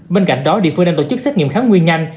bên cạnh đó địa phương đang tổ chức xét nghiệm kháng nguyên nhanh